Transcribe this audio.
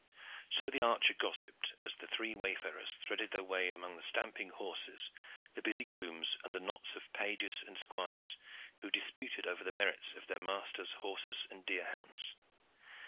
So the archer gossiped as the three wayfarers threaded their way among the stamping horses, the busy grooms, and the knots of pages and squires who disputed over the merits of their masters' horses and deer hounds.